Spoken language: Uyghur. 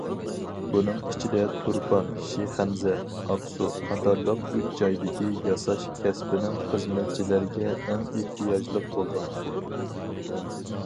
بۇنىڭ ئىچىدە، تۇرپان، شىخەنزە، ئاقسۇ قاتارلىق ئۈچ جايدىكى ياساش كەسپىنىڭ خىزمەتچىلەرگە ئەڭ ئېھتىياجلىق بولغان.